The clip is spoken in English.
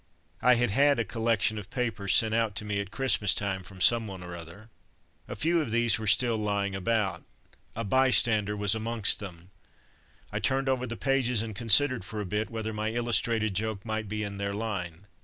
I had had a collection of papers sent out to me at Christmas time from some one or other. A few of these were still lying about. A Bystander was amongst them. I turned over the pages and considered for a bit whether my illustrated joke might be in their line.